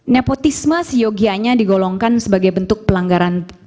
nepotisme seyogianya digolongkan sebagai bentuk pelanggaran